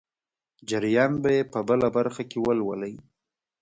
جریان به یې په بله برخه کې ولولئ.